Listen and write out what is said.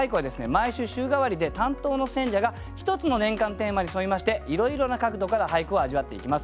毎週週替わりで担当の選者が一つの年間テーマに沿いましていろいろな角度から俳句を味わっていきます。